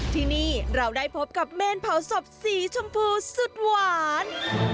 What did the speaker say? ที่นี่เราได้พบกับเมนเผาศพสีชมพูสุดหวาน